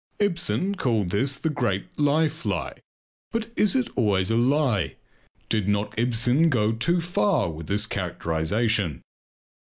Ibsen called this "The Great Life Lie." But is it always a lie? Did not Ibsen go too far with this characterization?